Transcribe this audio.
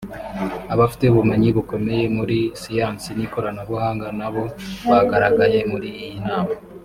abafite ubumenyi bukomeye muri siyansi n’ikoranabuhanga na bo bagaragaye muri iyi nama